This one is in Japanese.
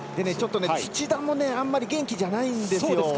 土田もあんまり元気じゃないんです。